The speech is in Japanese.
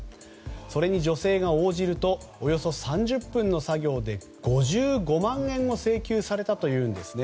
それに女性が応じるとおよそ３０分の作業で５５万円を請求されたというんですね。